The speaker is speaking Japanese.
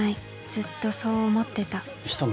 ずっとそう思ってた。